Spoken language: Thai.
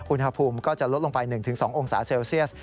อุณหภูมิก็จะลดลงไป๑๒องศาเซลเซียส